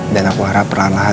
dan aku harap perlahan lahan